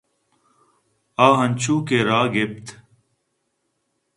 آ انچوکہ رہ گپت